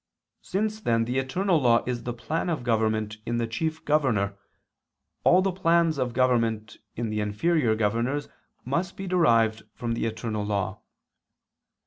Since then the eternal law is the plan of government in the Chief Governor, all the plans of government in the inferior governors must be derived from the eternal law.